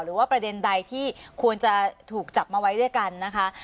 ประเด็นใดที่ควรจะถูกจับมาไว้ด้วยกันนะคะ